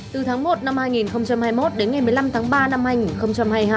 từ tháng một năm hai nghìn hai mươi một đến ngày một mươi năm tháng ba năm hai nghìn hai mươi hai